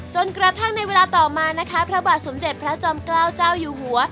จนกระทั่งในเวลาต่อมานะคะพระบาทสมเด็จพระจอมเกล้าเจ้าอยู่หัว